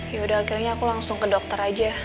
yaudah akhirnya aku langsung ke dokter aja